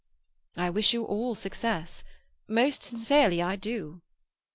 "I wish you all success—most sincerely I do."